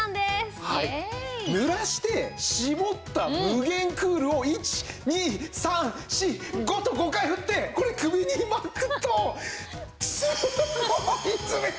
濡らして絞った夢ゲンクールを１２３４５と５回振ってこれ首に巻くとすごい冷たいんです！